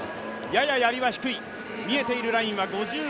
やややりは低い、見えているラインは５５ｍ。